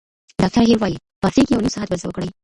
ډاکټره هیر وايي، پاڅېږئ او نیم ساعت بل څه وکړئ.